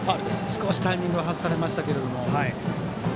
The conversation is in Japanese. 少しタイミングを外されました。